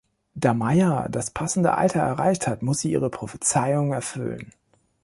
Da Maia das passende Alter erreicht hat, muss sie ihre Prophezeiung erfüllen.